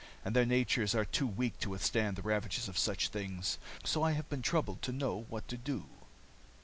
And their natures are too weak to withstand the ravages of such things. So I have been troubled to know what to do.